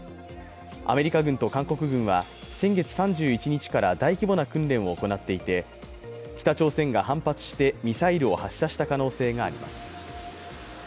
アメリカ軍と韓国軍は先月３１日から大規模な訓練を行っていて北朝鮮が反発してミサイルを発射した可能性があります。